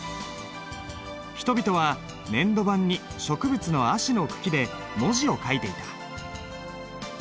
人々は粘土板に植物のアシの茎で文字を書いていた。